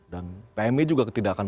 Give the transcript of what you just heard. dan pmi juga tidak akan